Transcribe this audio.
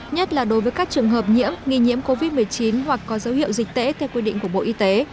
nhất là đối với các trường hợp nhiễm nghi nhiễm covid một mươi chín hoặc có dấu hiệu dịch tễ theo quy định của bộ y tế